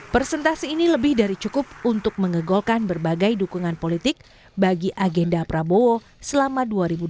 persentase ini lebih dari cukup untuk mengegolkan berbagai dukungan politik bagi agenda prabowo selama dua ribu dua puluh empat dua ribu dua puluh sembilan